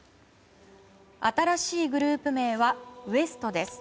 新しいグループ名はＷＥＳＴ．です。